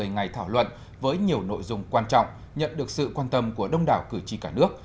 một mươi ngày thảo luận với nhiều nội dung quan trọng nhận được sự quan tâm của đông đảo cử tri cả nước